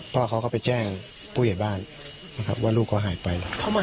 พ่อเขาก็ไปแจ้งผู้อาจารย์บ้านว่าลูกเขาหายไป